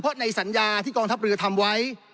เพราะในสัญญาที่กองทัพเรือทำไว้